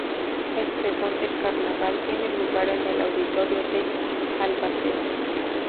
El Pregón del Carnaval tiene lugar en el Auditorio de Albacete.